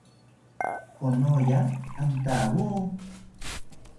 Konoya antawo